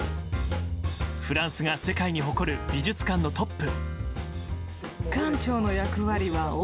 フランスが世界に誇る美術館のトップ。